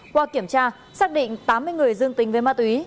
qua kiểm tra xác định tám mươi người dương tính với ma túy